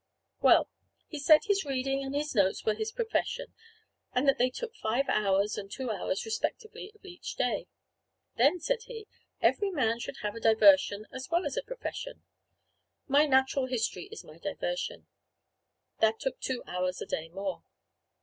Well, he said his reading and his notes were his profession, and that they took five hours and two hours respectively of each day. "Then," said he, "every man should have a diversion as well as a profession. My Natural History is my diversion." That took two hours a day more.